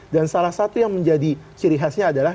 dan salah satu yang menjadi ciri khasnya adalah